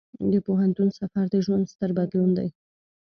د پوهنتون سفر د ژوند ستر بدلون دی.